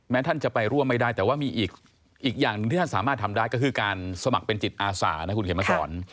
ท่านจะไปร่วมไม่ได้แต่ว่ามีอีกอย่างหนึ่งที่ท่านสามารถทำได้ก็คือการสมัครเป็นจิตอาสานะคุณเขียนมาสอน